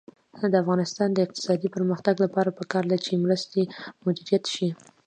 د افغانستان د اقتصادي پرمختګ لپاره پکار ده چې مرستې مدیریت شي.